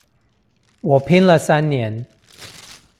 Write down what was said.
我拼了三年